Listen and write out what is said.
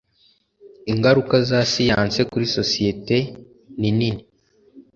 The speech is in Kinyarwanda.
Ingaruka za siyanse kuri societe ni nini